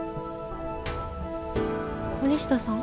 森下さん？